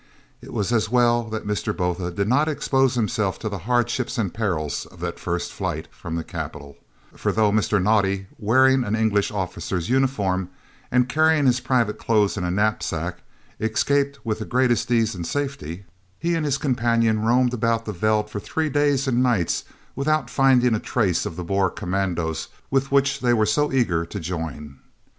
It was as well that Mr. Botha did not expose himself to the hardships and perils of that first flight from the capital, for though Mr. Naudé, wearing an English officer's uniform and carrying his private clothes in a knapsack, escaped with the greatest ease and safety, he and his companion roamed about the veld for three days and nights without finding a trace of the Boer commandos which they were so eager to join. [Illustration: CAPTAIN NAUDÉ.